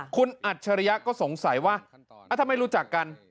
คุณอัจฉริยะก็สงสัยว่าทำไมรู้จักกัน